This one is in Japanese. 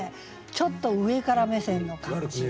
ちょっと上から目線の感じ。